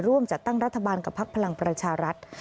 ร่วมจัดตั้งรัฐบาลกับพักพลังประชารัฐ